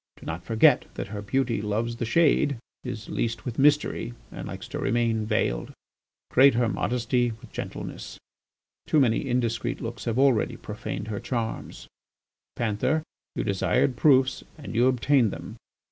Do not forget that her beauty loves the shade, is leased with mystery, and likes to remain veiled. Great her modesty with gentleness. Too many indiscreet looks have already profaned her charms. ... Panther, you desired proofs and you obtained them.